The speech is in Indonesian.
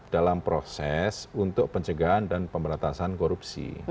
dalam proses untuk pencegahan dan pemberantasan korupsi